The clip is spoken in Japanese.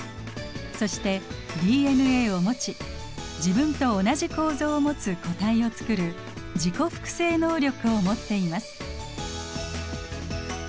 そしてＤＮＡを持ち自分と同じ構造を持つ個体をつくる自己複製能力を持っています。